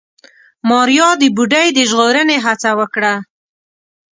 ماريا د بوډۍ د ژغورنې هڅه وکړه.